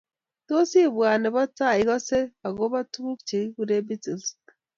tos ibwat ne bo tai ikase akobo tukuk che kikure Beatles?